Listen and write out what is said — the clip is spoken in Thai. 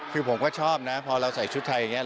คือผมก็ชอบนะพอเราใส่ชุดไทยอย่างนี้